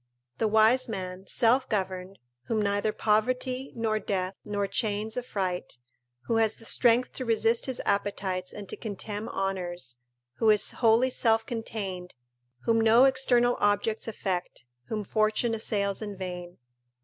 ["The wise man, self governed, whom neither poverty, nor death, nor chains affright: who has the strength to resist his appetites and to contemn honours: who is wholly self contained: whom no external objects affect: whom fortune assails in vain."